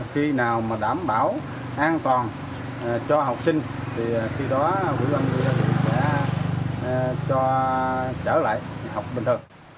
khi nào mà đảm bảo an toàn cho học sinh thì khi đó ubnd sẽ cho trở lại học bình thường